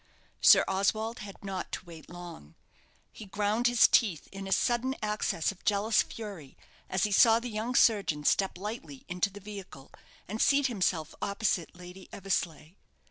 Sir Oswald had not to wait long. He ground his teeth in a sudden access of jealous fury as he saw the young surgeon step lightly into the vehicle, and seat himself opposite Lady Eversleigh.